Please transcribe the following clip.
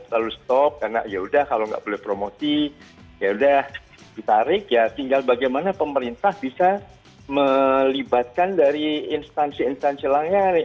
lalu stok karena yaudah kalau nggak boleh promosi ya udah ditarik ya tinggal bagaimana pemerintah bisa melibatkan dari instansi instansi lain